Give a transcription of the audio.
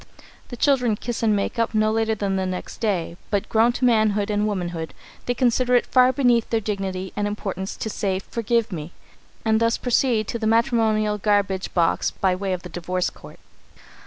The children kiss and make up no later than the next day, but, grown to manhood and womanhood, they consider it far beneath their dignity and importance to say "Forgive me," and thus proceed to the matrimonial garbage box by way of the divorce court.